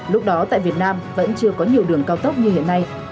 lúc đó tại việt nam vẫn chưa có nhiều đường cao tốc như hiện nay